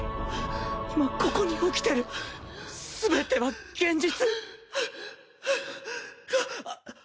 今ここに起きてる全ては現実